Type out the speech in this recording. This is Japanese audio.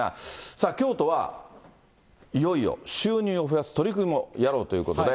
京都はいよいよ収入を増やす取り組みもやろうということで。